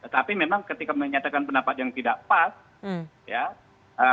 tapi memang ketika menyatakan pendapat yang tidak pas ya